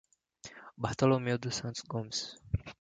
Bartolomeu dos Santos Gomes